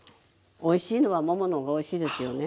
おいしいのはももの方がおいしいですよね。